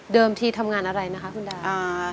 ทีทำงานอะไรนะคะคุณดาว